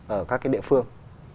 ở các cái địa phương